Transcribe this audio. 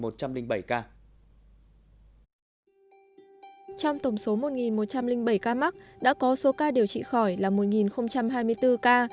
trong tổng số một một trăm linh bảy ca mắc đã có số ca điều trị khỏi là một hai mươi bốn ca